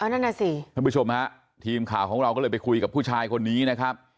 นั่นน่ะสิท่านผู้ชมฮะทีมข่าวของเราก็เลยไปคุยกับผู้ชายคนนี้นะครับ